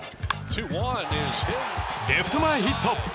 レフト前ヒット。